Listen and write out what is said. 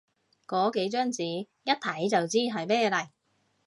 個幾張紙，一睇就知係咩嚟